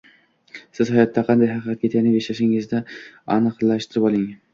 Siz hayotda qanday haqiqatga tayanib yashashingizni aniqlashtirib oling